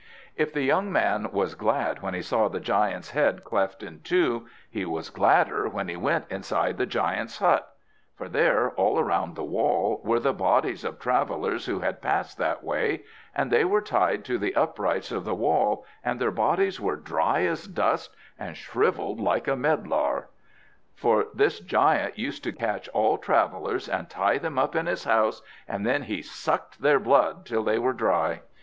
If the young man was glad when he saw the giant's head cleft in two, he was gladder when he went inside the giant's hut. For there, all round the wall, were the bodies of travellers who had passed that way; and they were tied to the uprights of the wall, and their bodies were dry as dust, and shrivelled like a medlar. For this giant used to catch all travellers and tie them up in his house, and then he sucked their blood till they were dry.